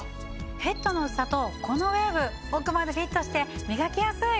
ヘッドの薄さとこのウェーブ奥までフィットして磨きやすい！